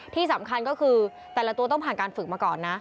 ที่สำคัญก็คือแต่ละตัวต้องผ่านการฝึกมาก่อนนะ